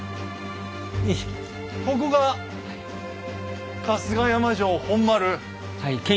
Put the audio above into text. ここが春日山城本丸。